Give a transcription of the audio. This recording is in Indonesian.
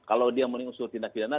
kalau dia melihat unsur pidana